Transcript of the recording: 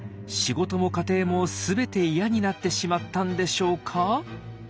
仕事も家庭も全て嫌になってしまったんでしょうか？